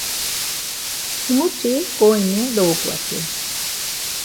Himuti ǩoini, dovuǩvati…